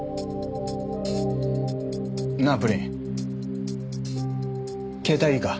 なあプリン携帯いいか？